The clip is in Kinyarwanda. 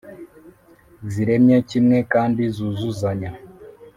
ziremye kimwe kandi zuzuzanya.